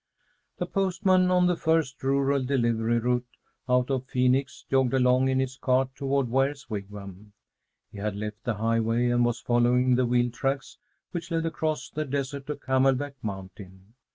The postman on the first rural delivery route out of Phoenix jogged along in his cart toward Ware's Wigwam. He had left the highway and was following the wheel tracks which led across the desert to Camelback Mountain.